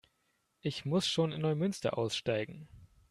Ich muss schon in Neumünster aussteigen